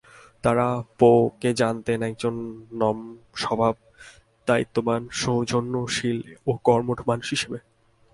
তারা পো-কে জানতেন একজন নমস্বভাব, দায়িত্ববান, সৌজন্যশীল ও কর্মঠ মানুষ হিসেবে।